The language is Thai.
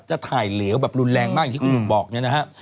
จะถ่ายเหลวแบบรุนแรงมากอย่างที่คุณหนุ่มบอกเนี่ยนะฮะ